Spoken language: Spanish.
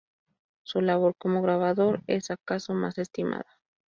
Su labor como grabador es acaso más estimada.